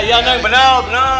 iya neng benar benar